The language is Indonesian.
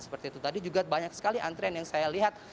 seperti itu tadi juga banyak sekali antrian yang saya lihat